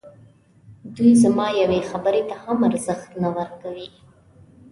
دوی زما یوې خبري ته هم ارزښت نه ورکوي.